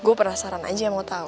gue penasaran aja yang mau tau